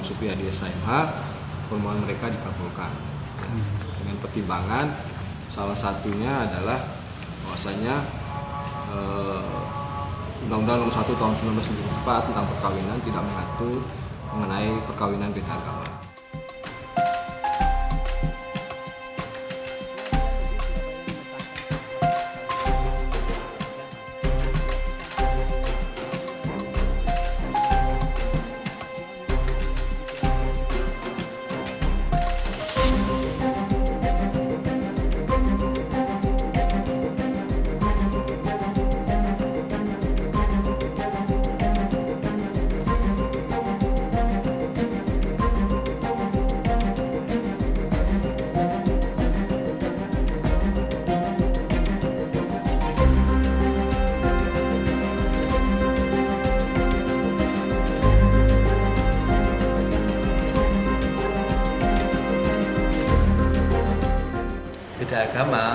undang undang nomor satu tahun dua ribu empat tentang perkawinan tidak berfaktur mengenai perkawinan berita agama